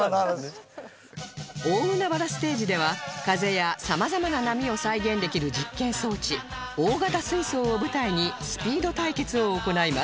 大海原ステージでは風や様々な波を再現できる実験装置大型水槽を舞台にスピード対決を行います